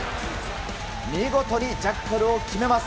見事にジャッカルを決めます。